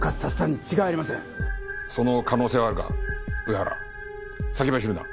その可能性はあるが上原先走るな。